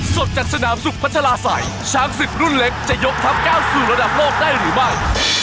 ส่วนจัดสนามสุขพัชลาศัยช้างศิษย์รุ่นเล็กจะยกทัพ๙สู่ระดับโลกได้หรือไม่